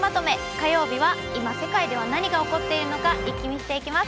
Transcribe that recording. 火曜日は、今世界では何が起こっているのか、一気見していきます。